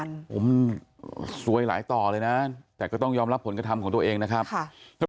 นี่เห็นมั้ยถูกไล่